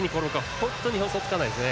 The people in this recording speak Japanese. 本当に予想がつかないですね。